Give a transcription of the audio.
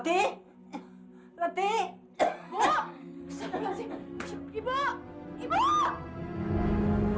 kita pikirnya selalu